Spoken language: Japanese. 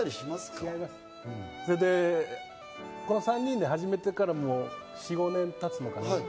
この３人で始めてから、もう４５年経つかな？